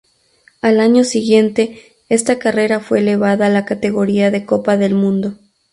Al año siguiente esta carrera fue elevada a la categoría de Copa del Mundo.